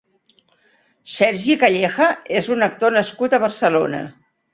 Sergi Calleja és un actor nascut a Barcelona.